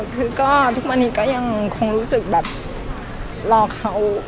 คือก็ทุกวันนี้ก็ยังคงรู้สึกแบบรอเขา